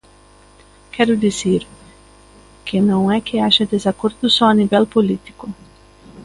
Quero dicir, que non é que haxa desacordo só a nivel político.